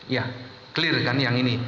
ya clear kan yang ini